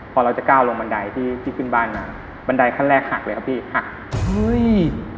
พอเราจะก้าวลงบันไดที่ที่ขึ้นบ้านมาบันไดขั้นแรกหักเลยครับพี่หักเฮ้ย